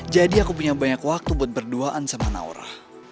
jadi aku punya banyak waktu buat berduaan sama naura